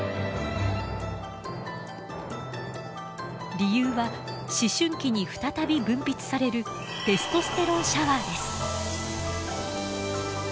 理由は思春期に再び分泌されるテストステロンシャワーです。